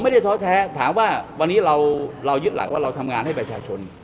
ท้อแท้ถามว่าวันนี้เรายึดหลักว่าเราทำงานให้ประชาชน